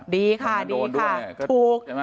ดีค่ะดีค่ะถูก